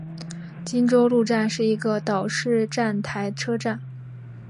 金周路站是一个岛式站台车站。